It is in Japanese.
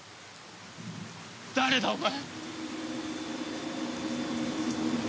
誰だお前。